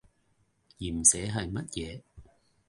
鹽蛇係乜嘢？